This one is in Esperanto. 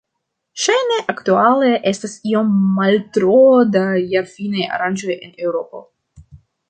Ŝajne aktuale estas iom maltro da jarfinaj aranĝoj en Eŭropo.